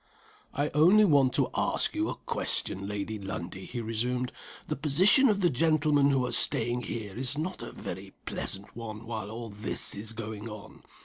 "I only want to ask you a question, Lady Lundie," he resumed. "The position of the gentlemen who are staying here is not a very pleasant one while all this is going on.